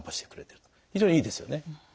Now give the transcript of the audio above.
非常にいいですよね。